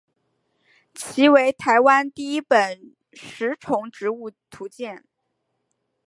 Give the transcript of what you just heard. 其为台湾第一本食虫植物图鉴。